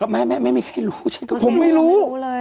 แม่ไม่มีใครรู้ฉันก็ไม่รู้